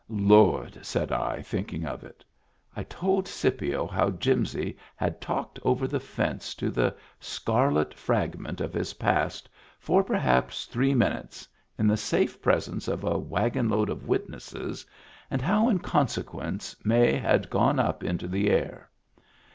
" Lord !" said I, thinking of it. I told Scipio how Jimsy had talked over the fence to the scarlet fragment of his past for perhaps three minutes in the safe presence of a wagonload of witnesses, and how in consequence May had gone up into the air.